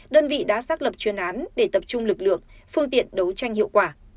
đơn vị đã xác lập chuyên án để tập trung lực lượng phương tiện đấu tranh hiệu quả